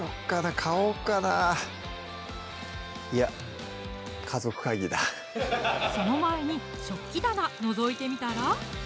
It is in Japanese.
買おっかないやその前に食器棚のぞいてみたら？